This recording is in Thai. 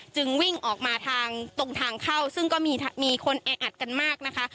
จึงวิ่งออกมาทางตรงทางเข้าซึ่งก็มีคนแออัดกันมากนะคะ